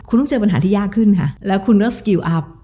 คุณต้องเจอปัญหาที่ยากขึ้นค่ะแล้วคุณเลือกสกิลอัพ